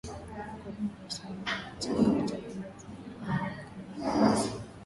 mkulima anashauriwa kuchakata viazi ili kuongeza mda wa viazi